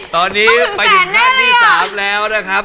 ตอนนี้ไปถึงท่านที่๓แล้วนะครับ